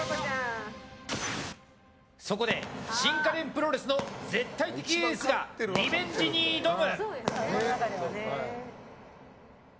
そこで新家電プロレスの絶対的エースがリベンジに挑む。